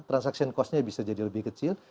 transaction cost nya bisa jadi lebih kecil